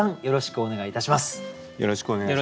よろしくお願いします。